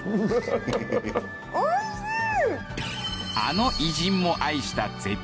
おいしい！